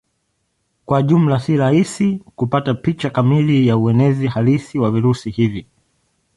Kwa jumla si rahisi kupata picha kamili ya uenezi halisi wa virusi hivi.